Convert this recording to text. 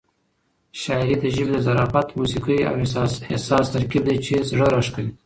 شاعري د ژبې د ظرافت، موسيقۍ او احساس ترکیب دی چې زړه راښکوي.